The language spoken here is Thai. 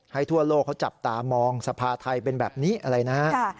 ทั่วโลกเขาจับตามองสภาไทยเป็นแบบนี้อะไรนะฮะ